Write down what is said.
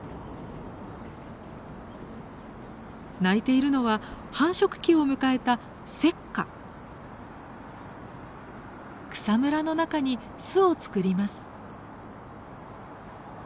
鳴いているのは繁殖期を迎えた草むらの中に巣を作ります。